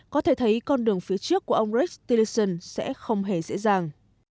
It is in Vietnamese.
có thể thấy con đường phía trước của ông rex tillerson sẽ không hề dễ dàng